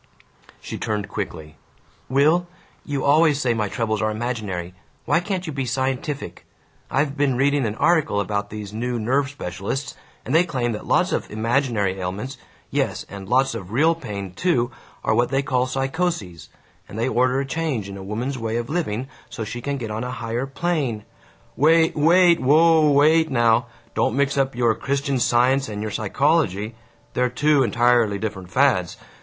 She turned quickly. "Will, you always say my troubles are imaginary. Why can't you be scientific? I've been reading an article about these new nerve specialists, and they claim that lots of 'imaginary' ailments, yes, and lots of real pain, too, are what they call psychoses, and they order a change in a woman's way of living so she can get on a higher plane " "Wait! Wait! Whoa up! Wait now! Don't mix up your Christian Science and your psychology! They're two entirely different fads!